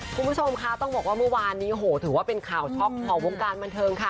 คุณผู้ชมคะต้องบอกว่าเมื่อวานนี้โหถือว่าเป็นข่าวช็อกของวงการบันเทิงค่ะ